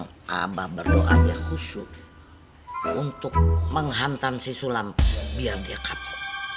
sekarang abah berdoa di khusyuk untuk menghantam si sulam biar dia kapal